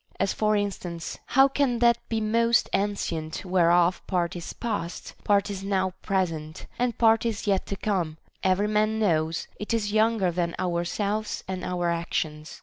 As for in stance, how can that be most ancient whereof part is past, part is now present, and part is yet to come ; every man knows it is younger than ourselves and our actions.